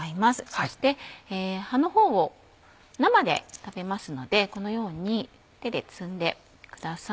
そして葉の方を生で食べますのでこのように手で摘んでください。